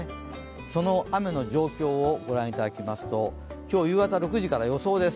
その雨の状況を御覧いただきますと、今日夕方６時から予想です。